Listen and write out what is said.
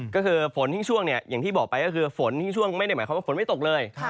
ก็คือฝนทิ้งช่วงเนี่ยอย่างที่บอกไปก็คือฝนทิ้งช่วงไม่ได้หมายความว่าฝนไม่ตกเลย